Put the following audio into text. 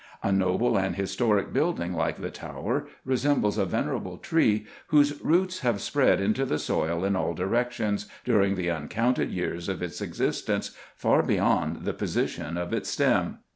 A noble and historic building like the Tower resembles a venerable tree whose roots have spread into the soil in all directions, during the uncounted years of its existence, far beyond the position of its stem.